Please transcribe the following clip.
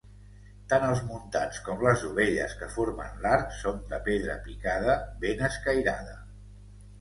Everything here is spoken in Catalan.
Tant els muntants com les dovelles que formen l'arc són de pedra picada ben escairada.